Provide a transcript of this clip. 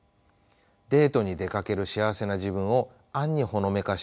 デートに出かける幸せな自分を暗にほのめかしているのです。